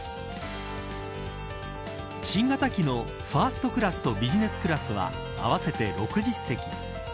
新型機のファーストクラスとビジネスクラスは合わせて６０席。